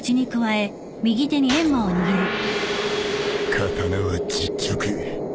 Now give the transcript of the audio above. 刀は実直。